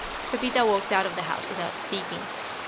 Pepita walked out of the house without speaking.